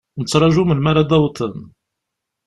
Nettṛaju melmi ara d-awḍen.